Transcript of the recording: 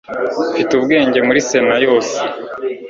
Mfite ubwenge muri Sena yose